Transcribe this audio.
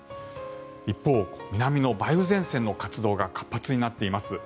一方、南の梅雨前線の活動が活発になっています。